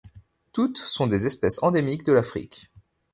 Toutes sont des espèces endémiques de l'Afrique.